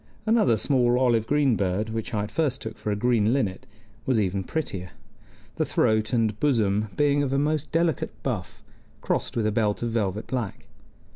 Another small olive green bird, which I at first took for a green linnet, was even prettier, the throat and bosom being of a most delicate buff, crossed with a belt of velvet black.